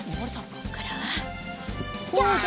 こっからはジャンプ！